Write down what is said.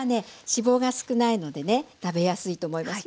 脂肪が少ないのでね食べやすいと思います。